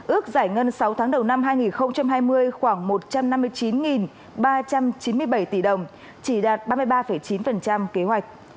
ước giải ngân sáu tháng đầu năm hai nghìn hai mươi khoảng một trăm năm mươi chín ba trăm chín mươi bảy tỷ đồng chỉ đạt ba mươi ba chín kế hoạch